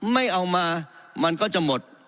ไม่เอามามันก็จะหมด